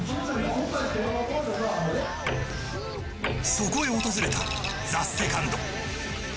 そこへ訪れたＴＨＥＳＥＣＯＮＤ。